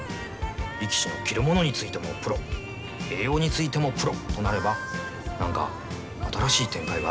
力士の着るものについてもプロ栄養についてもプロとなれば何か新しい展開があるかもしれないぞ。